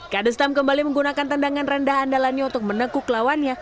kadestam kembali menggunakan tendangan rendah andalannya untuk menekuk lawannya